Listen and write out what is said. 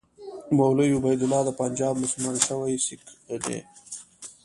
مولوي عبیدالله د پنجاب مسلمان شوی سیکه دی.